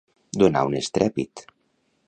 Donar un estrèpit.